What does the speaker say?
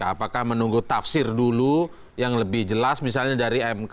apakah menunggu tafsir dulu yang lebih jelas misalnya dari mk